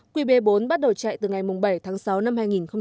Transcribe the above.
qb bốn bắt đầu chạy từ ngày bảy tháng sáu năm hai nghìn một mươi tám